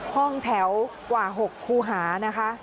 ห้องแถวกว่า๖คูหานะคะ